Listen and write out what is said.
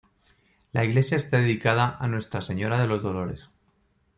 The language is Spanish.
La iglesia está dedicada a Nuestra Señora de los Dolores.